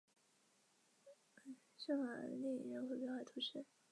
电报略号为。